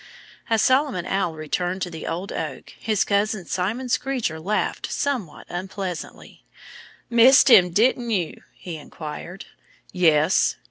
As Solomon Owl returned to the old oak his cousin Simon Screecher laughed somewhat unpleasantly. "Missed him didn't you?" he inquired. "Yes!"